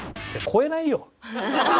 超えないよ